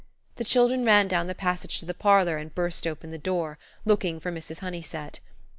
The children ran down the passage to the parlour and burst open the door, looking for Mrs. Honeysett.